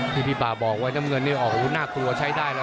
พี่พี่ป่าบอกว่าน้ำเงินนี่โอ้โหกระพุทธน่ากลัวใช้ได้แล้ว